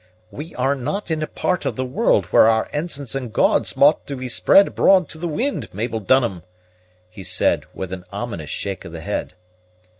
"We are not in a part of the world where our ensigns and gauds ought to be spread abroad to the wind, Mabel Dunham!" he said, with an ominous shake of the head.